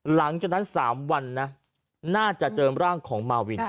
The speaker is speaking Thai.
หลังจากนั้น๓วันนะน่าจะเจอร่างของมาวิน